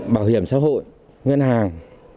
bảo hiểm xã hội ngân hàng